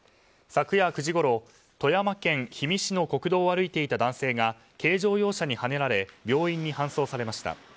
昨夜９時ごろ富山県氷見市の国道を歩いていた軽乗用車にはねられ病院に搬送されました。